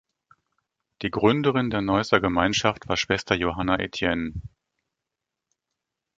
Die Gründerin der Neusser Gemeinschaft war Schwester Johanna Etienne.